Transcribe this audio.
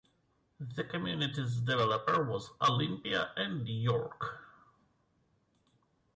The community's developer was Olympia and York.